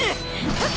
あっ！